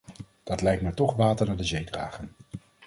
Dat lijkt mij toch water naar de zee dragen.